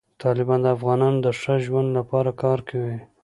طالبان د افغانانو د ښه ژوند لپاره کار کوي.